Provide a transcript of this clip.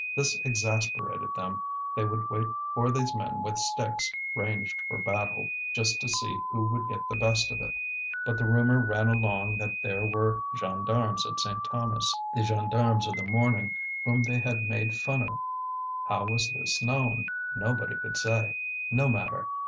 This exasperated them; they would wait for these men with sticks, ranged for battle, just to see who would get the best of it. But the rumour ran along that there were gendarmes at Saint Thomas, the gendarmes of the morning whom they had made fun of. How was this known? nobody could say. No matter!